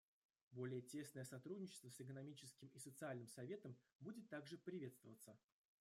Более тесное сотрудничество с Экономическим и Социальным Советом будет также приветствоваться.